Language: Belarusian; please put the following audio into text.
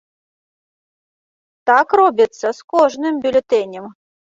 Так робіцца з кожным бюлетэнем.